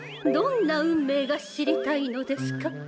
どんな運命が知りたいのですか？